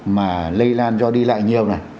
mà lây lan do đi lại nhiều này